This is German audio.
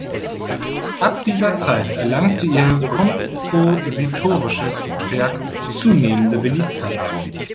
Ab dieser Zeit erlangte ihr kompositorisches Werk zunehmende Beliebtheit.